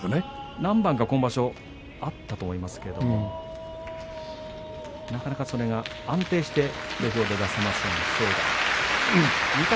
何番か今場所あったと思いますけどなかなかそれが安定して土俵で出せません、正代。